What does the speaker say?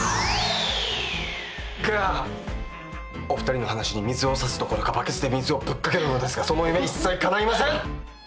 がお二人の話に水を差すどころかバケツで水をぶっかけるのですがその夢一切かないません！